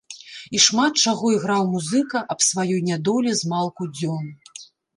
І шмат чаго іграў музыка аб сваёй нядолі змалку дзён.